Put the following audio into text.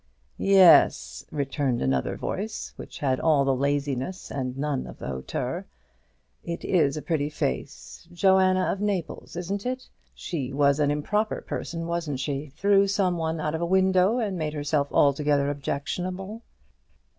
"Yes," returned another voice, which had all the laziness and none of the hauteur, "it is a pretty face. Joanna of Naples, isn't it? she was an improper person, wasn't she? threw some one out of a window, and made herself altogether objectionable."